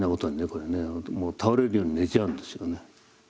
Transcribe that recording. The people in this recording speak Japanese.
これねもう倒れるように寝ちゃうんですよね。